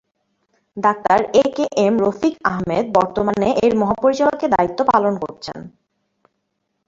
Doctor A K M Rafiq Ahmed বর্তমানে এর মহাপরিচালকের দায়িত্ব পালন করছেন।